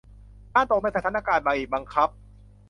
การตกในสถานการณ์บีบบังคับ